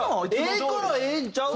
ええから「ええんちゃう？」